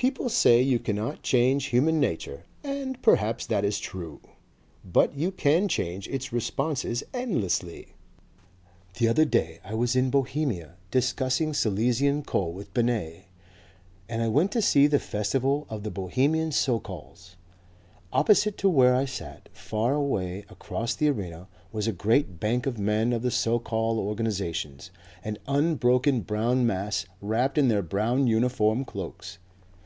People say you cannot change human nature and perhaps that is true, but you can change its responses endlessly. The other day I was in Bohemia, discussing Silesian coal with Benes, and I went to see the Festival of the Bohemian Sokols. Opposite to where I sat, far away across the arena, was a great bank of men of the Sokol organizations, an unbroken brown mass wrapped in their brown uniform cloaks.